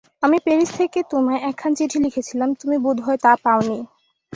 আমি প্যারিস থেকে তোমায় একখানি চিঠি লিখেছিলাম, তুমি বোধ হয় তা পাওনি।